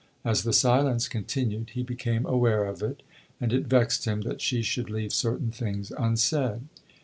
As the silence continued, he became aware of it, and it vexed him that she should leave certain things unsaid.